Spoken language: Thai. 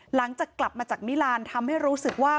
หลังจากกลับมาจากมิลานทำให้รู้สึกว่า